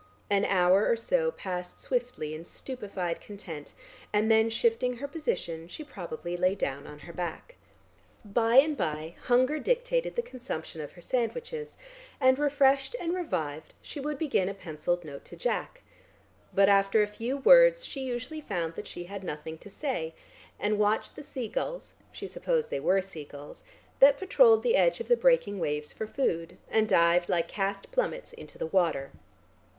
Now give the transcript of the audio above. An hour or so passed swiftly in stupefied content, and then shifting her position she probably lay down on her back. Bye and bye hunger dictated the consumption of her sandwiches, and refreshed and revived she would begin a pencilled note to Jack. But after a few words she usually found that she had nothing to say, and watched the sea gulls (she supposed they were sea gulls) that patrolled the edge of the breaking waves for food, and dived like cast plummets into the water.